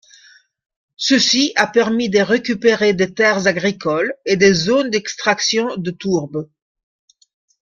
Ceci a permis de récupérer des terres agricoles et des zones d'extraction de tourbe.